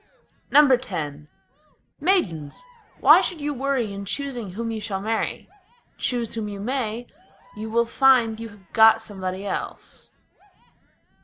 X Maidens! why should you worry in choosing whom you shall marry? Choose whom you may, you will find you have got somebody else.